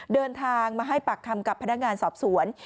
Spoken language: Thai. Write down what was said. เดินทางมาให้ปากคำกับพนักงานสอบสวน